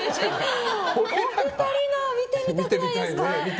お二人のを見てみたくないですか。